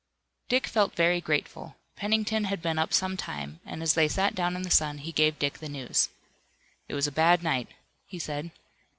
Dick felt very grateful. Pennington had been up some time, and as they sat down in the sun he gave Dick the news. "It was a bad night," he said.